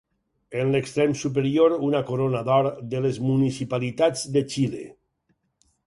En l'extrem superior una corona d'or de les Municipalitats de Xile.